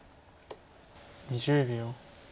２０秒。